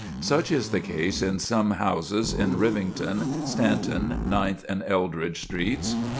Such is the case in some houses in Rivington, Stanton, Ninth and Eldridge streets.